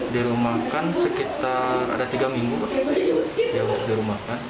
dirumahkan sekitar ada tiga minggu dirumahkan